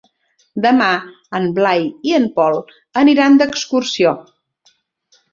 Demà en Blai i en Pol aniran d'excursió.